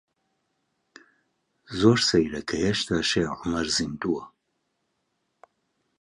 زۆر سەیرە کە هێشتا شێخ عومەر زیندووە.